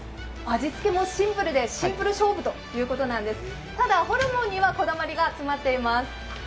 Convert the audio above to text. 味付けもシンプルでシンプル勝負ということなんでするただ、ホルモンにはこだわりが詰まっています。